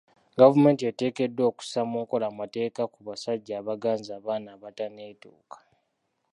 Gavumenti eteekeddwa okussa mu nkola amateeka ku basajja abaganza abaana abatanneetuuka.